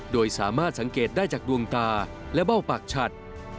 โดยสามารถสังเกตได้จากดวงตาและเบ้าปากฉัด